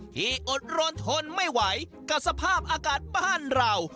อดรนทนไม่ไหวกับสภาพอากาศบ้านเรา